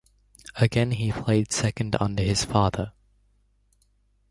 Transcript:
Again, he played second under his father.